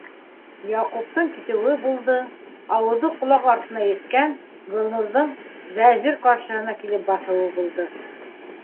Яҡуптың китеүе булды, ауыҙы ҡолаҡ артына еткән Гөлнурҙың Вәзир ҡаршыһына килеп баҫыуы булды.